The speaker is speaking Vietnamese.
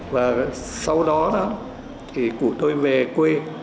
và sau đó cụ tôi về quê